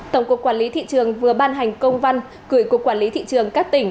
tổng cục quản lý thị trường vừa ban hành công văn gửi cục quản lý thị trường các tỉnh